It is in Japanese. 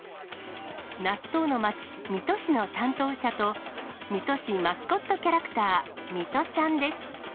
納豆の町、水戸市の担当者と、水戸市マスコットキャラクター、みとちゃんです。